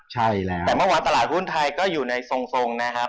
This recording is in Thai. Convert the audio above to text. แต่เมื่อวานตลาดภูมิไทยก็อยู่ในสงสงนะครับ